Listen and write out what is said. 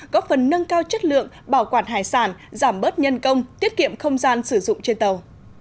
góp phần nâng cao chất lượng bảo quản hải sản giảm bớt nhân công tiết kiệm không gian sử dụng trên tàu